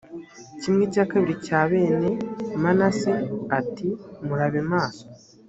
kimwe cya kabiri cya bene manase, ati murabe maso